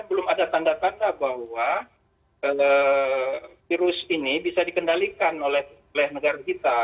belum ada tanda tanda bahwa virus ini bisa dikendalikan oleh negara kita